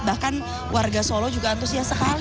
bahkan warga solo juga antusias sekali